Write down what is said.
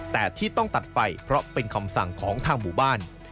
แต่ที่ต้องตัดไฟเพราะเป็นคำสั่งของทางหมู่บ้าน